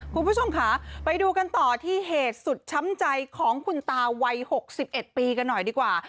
คุณผู้ชมค่ะไปดูกันต่อที่เหตุสุดช้ำใจของคุณตาวัย๖๑ปีกันหน่อยดีกว่า